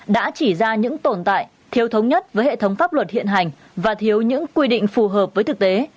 đã chỉ ra những tồn tại thiếu thống nhất với hệ thống pháp luật hiện hành và thiếu những quy định phù hợp với thực tế